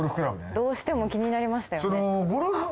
どうしても気になりましたよね。